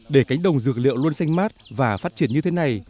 để cánh đồng dược liệu luôn xanh mát và phát triển như thế này